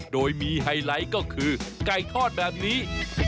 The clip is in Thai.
โดยมีไฮไลท์ก็คือไก่ทอดแบบนี้